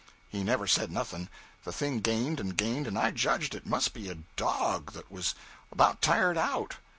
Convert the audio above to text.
'He never said nothing. The thing gained and gained, and I judged it must be a dog that was about tired out.